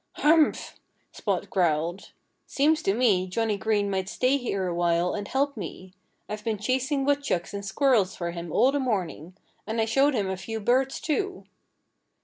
"Humph!" Spot growled. "Seems to me Johnnie Green might stay here a while and help me. I've been chasing woodchucks and squirrels for him all the morning. And I showed him a few birds, too."